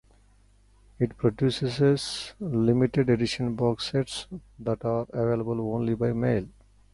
It produces limited-edition box sets that are available only by mail.